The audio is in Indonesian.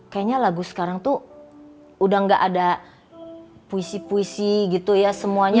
kayaknya lagu sekarang tuh udah gak ada puisi puisi gitu ya semuanya